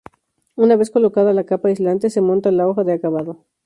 Una vez colocada la capa aislante, se monta la hoja de acabado.